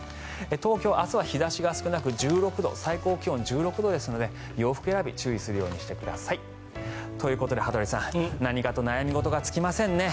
東京、明日は日差しが少なく最高気温１６度ですので洋服選び注意するようにしてください。ということで羽鳥さん何かと悩み事が尽きませんね。